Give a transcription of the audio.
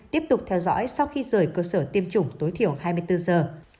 tiếp tục theo dõi sau khi rời cơ sở tiêm chủng tối thiểu hai mươi bốn giờ